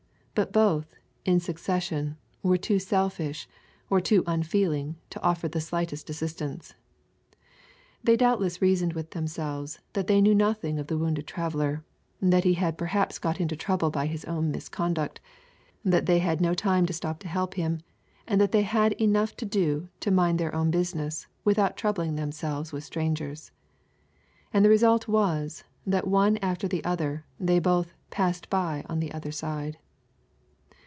But both, in succession, were too selfish, or too unfeeling to offer the slightest assistance. \ They doubtless reasoned with themselves, that they knew nothing of the wounded traveller, — that he had perhaps got into trouble by his own misconduct, — that they had no time to stop to help him, — and that they had enough to do to mind their own business, without troubling themselves with strangers. And the result was, that one after the other, they both " passed by on the other side.''